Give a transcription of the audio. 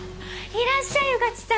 いらっしゃい穿地さん。